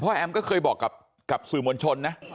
แอมก็เคยบอกกับสื่อมวลชนนะ